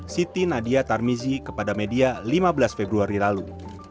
siti nadia tarmizi kepada media lima belas februari lalu